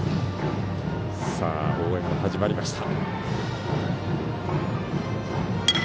応援が始まりました。